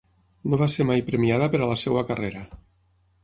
No va ser mai premiada per a la seva carrera.